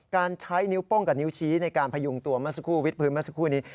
การใช้นิ้วโป้งกับนิ้วชี้ในการพยุงตัวเมื่อสักครู่วิทพื้นเมื่อสักครู่นี้